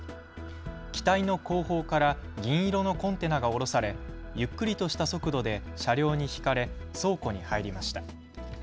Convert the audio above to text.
機体の後方から銀色のコンテナがおろされれゆっくりとした速度で車両に引かれ倉庫に入りました。